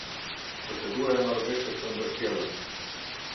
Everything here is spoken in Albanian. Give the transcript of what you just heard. Procedura e Marrëveshjes së Ndërsjellët.